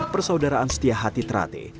persaudaraan setia hati terati